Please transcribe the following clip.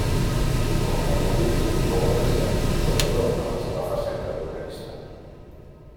Com a nen prodigi, fou apreciat sobretot en la seva faceta d'organista.